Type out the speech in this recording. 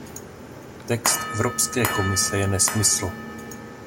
Text Evropské komise je nesmysl.